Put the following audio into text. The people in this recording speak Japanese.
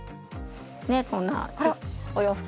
ねえこんなお洋服。